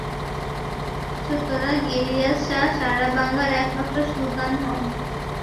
সুতরাং ইলিয়াস শাহ সারা বাংলার একমাত্র সুলতান হন।